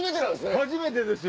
初めてですよ。